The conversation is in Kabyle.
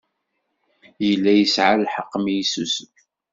Yella yesɛa lḥeqq mi yessusem.